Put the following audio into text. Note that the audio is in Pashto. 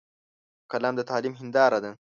قلم د تعلیم هنداره ده